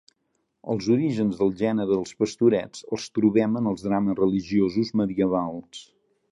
Els orígens del gènere dels pastorets els trobem en els drames religiosos medievals.